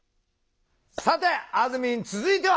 さてあずみん続いては！